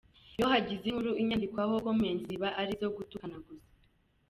Iyo hagize inkuru inyandikwaho comments ziba ari izo gutukana gusa.